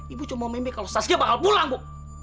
ibu cuma memimpin kalau sasuke bakal pulang bu